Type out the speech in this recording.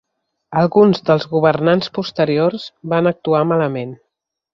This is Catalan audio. Alguns dels governants posteriors van actuar malament.